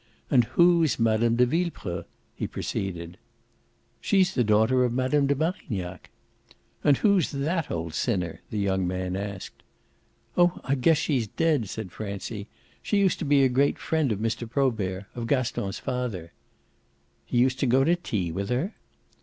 "And who's Mme. de Villepreux?" he proceeded. "She's the daughter of Mme. de Marignac." "And who's THAT old sinner?" the young man asked. "Oh I guess she's dead," said Francie. "She used to be a great friend of Mr. Probert of Gaston's father." "He used to go to tea with her?"